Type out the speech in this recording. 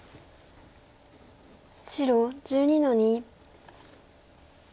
白１２の二。